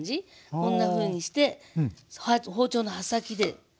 こんなふうにして包丁の刃先で。